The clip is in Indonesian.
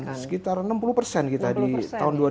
ada peningkatan sekitar enam puluh kita di tahun dua ribu dua puluh